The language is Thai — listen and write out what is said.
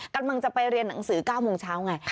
กำลังจะไปเรียนหนังสือ๙โมงเช้าไง